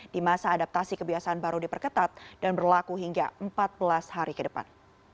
di masa adaptasi kebiasaan baru diperketat dan berlaku hingga empat belas hari ke depan